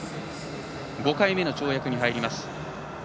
５回目の跳躍に入ります。